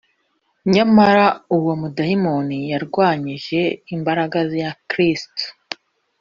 nyamara uwo mudayimoni yarwanyije imbaraga ya kristo